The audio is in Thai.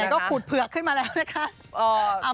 ก็ขูดเผือกขึ้นมาแล้วนะคะ